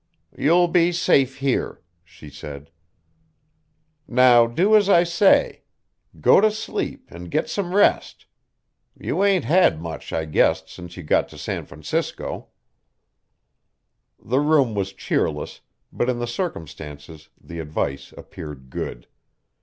"You'll be safe here," she said. "Now do as I say. Go to sleep and git some rest. You ain't had much, I guess, since you got to San Francisco." The room was cheerless, but in the circumstances the advice appeared good.